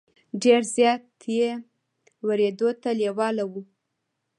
ډېر زیات یې ورېدو ته لېواله وو.